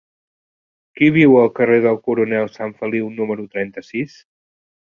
Qui viu al carrer del Coronel Sanfeliu número trenta-sis?